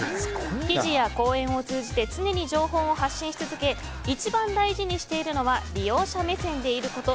記事や講演を通じて常に情報を発信し続け一番大事にしているのは利用者目線でいること。